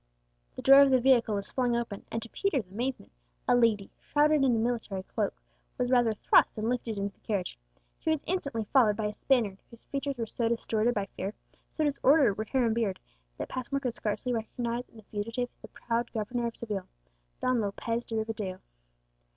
the door of the vehicle was flung open, and to Peter's amazement a lady, shrouded in a military cloak, was rather thrust than lifted into the carriage. She was instantly followed by a Spaniard whose features were so distorted by fear, so disordered were hair and beard, that Passmore could scarcely recognize in the fugitive the proud governor of Seville, Don Lopez de Rivadeo.